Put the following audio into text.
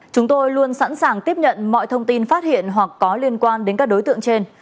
chúng tôi luôn sẵn sàng tiếp nhận mọi thông tin phát hiện hoặc có liên quan đến các đối tượng trên